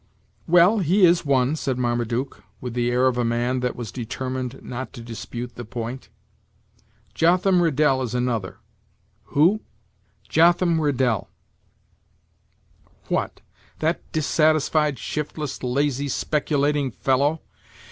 "Well, he is one," said Marmaduke, with the air of a man that was determined not to dispute the point. "Jotham Riddel is another." "Who?" "Jotham Riddel." "What, that dissatisfied, shiftless, lazy, speculating fellow!